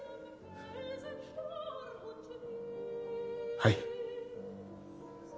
はい。